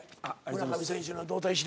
村上選手の動体視力。